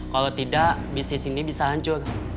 kalau tidak bisnis ini bisa hancur